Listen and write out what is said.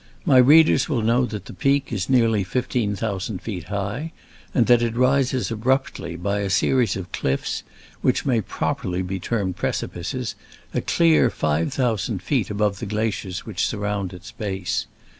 My readers will know that that peak is nearly fifteen thousand feet high, and that it rises abruptly, by a series of cliffs which may properly be termed precipices, a clear five thousand feet above the glaciers which surround its base.